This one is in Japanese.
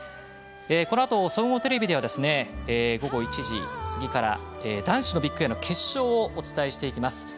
このあと総合テレビでは午後１時過ぎから男子のビッグエアの決勝をお伝えします。